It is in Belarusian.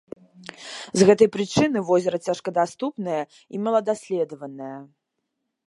З гэтай прычыны возера цяжкадаступнае і маладаследаванае.